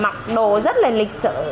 mặc đồ rất là lịch sử